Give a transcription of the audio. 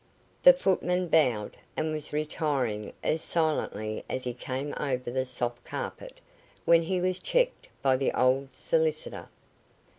The footman bowed, and was retiring as silently as he came over the soft carpet, when he was checked by the old solicitor.